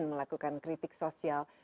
melakukan kritik sosial